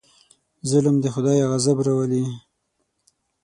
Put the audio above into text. ظلم د خدای غضب راولي.